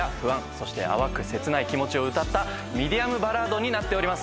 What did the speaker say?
そして淡く切ない気持ちを歌ったミディアムバラードになっております。